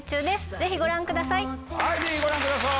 ぜひご覧ください。